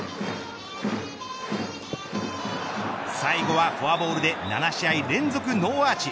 最後はフォアボールで７試合連続のノーアーチ。